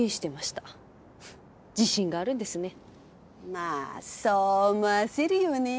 まあそう思わせるよね